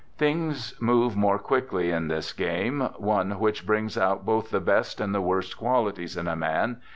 Things move more quickly in this game — one which brings out both the best and the worst qualities in a man.